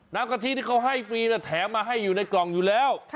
กะทิที่เขาให้ฟรีแถมมาให้อยู่ในกล่องอยู่แล้ว